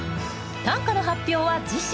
短歌の発表は次週。